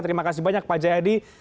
terima kasih banyak pak jayadi